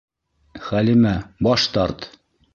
Хәлимә, баш тарт!